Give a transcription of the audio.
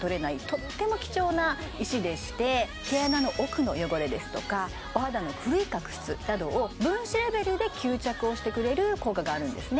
とっても貴重な石でして毛穴の奥の汚れですとかお肌の古い角質などを分子レベルで吸着をしてくれる効果があるんですね